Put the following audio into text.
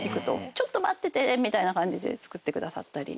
ちょっと待っててみたいな感じで作ってくださったり。